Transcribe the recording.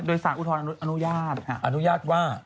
โดยสารอุทธรณอนุญาตอนุญาตว่า